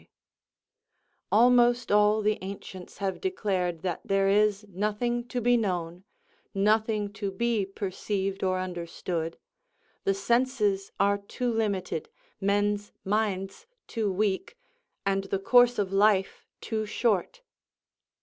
_ "Almost all the ancients have declared that there is nothing to be known, nothing to be perceived or understood; the senses are too limited, men's minds too weak, and the course of life too short."